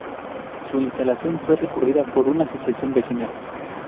Su instalación fue recurrida por una asociación vecinal.